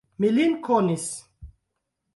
Mi lin konis.